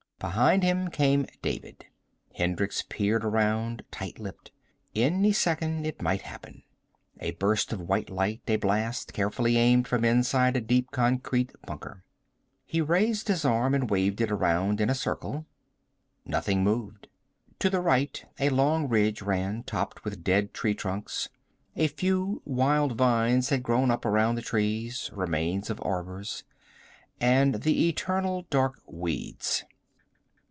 Behind him came David. Hendricks peered around, tight lipped. Any second it might happen. A burst of white light, a blast, carefully aimed from inside a deep concrete bunker. He raised his arm and waved it around in a circle. Nothing moved. To the right a long ridge ran, topped with dead tree trunks. A few wild vines had grown up around the trees, remains of arbors. And the eternal dark weeds.